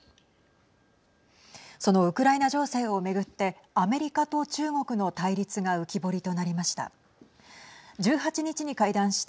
そのウクライナ情勢を巡ってアメリカと中国の対立が浮き彫りとなりました。